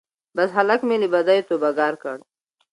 بس هلک مي له بدیو توبه ګار کړ